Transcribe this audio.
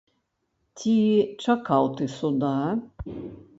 Ці чакаў ты суда?